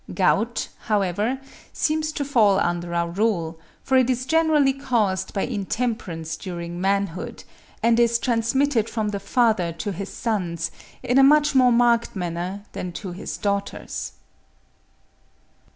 Gout, however, seems to fall under our rule, for it is generally caused by intemperance during manhood, and is transmitted from the father to his sons in a much more marked manner than to his daughters.